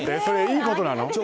それ、いいことなの？